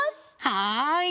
はい！